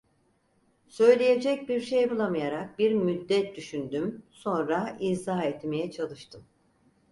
Söyleyecek bir şey bulamayarak bir müddet düşündüm, sonra izah etmeye çalıştım: